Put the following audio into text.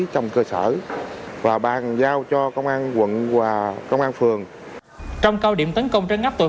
trong cơ sở và bàn giao cho công an quận và công an phường trong cao điểm tấn công trên ngắp tội